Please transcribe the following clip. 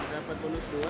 dapat bonus dua